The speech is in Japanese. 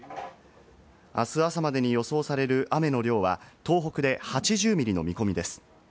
あす朝までに予想される雨の量は、東北で８０ミリの見込みです。